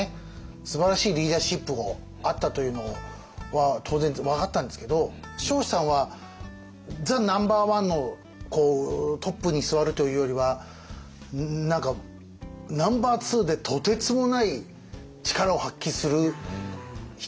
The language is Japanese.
すばらしいリーダーシップをあったというのは当然分かったんですけど彰子さんはザ・ナンバーワンのトップに座るというよりは何かナンバーツーでとてつもない力を発揮する人かなという気もしました